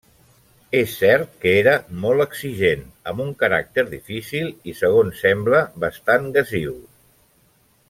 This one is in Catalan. És cert que era molt exigent, amb un caràcter difícil i, segons sembla, bastant gasiu.